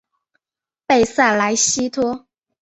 贝塞莱西托。